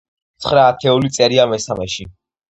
ცხრა ათეული წერია მესამეში.